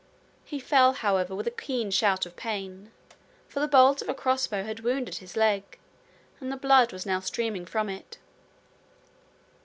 He fell, however, with a keen shoot of pain, for the bolt of a crossbow had wounded his leg, and the blood was now streaming from it.